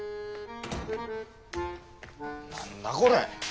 何だこれ。